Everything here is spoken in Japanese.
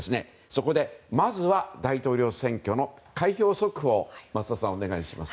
そこで、まずは大統領選挙の開票速報を増田さん、お願いします。